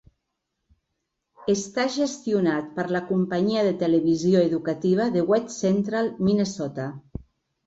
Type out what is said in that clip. Està gestionat per la Companyia de Televisió Educativa de West Central Minnesota.